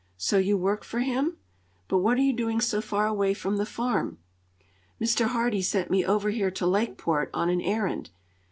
So you work for him? But what are you doing so far away from the farm?" "Mr. Hardee sent me over here, to Lakeport, on an errand."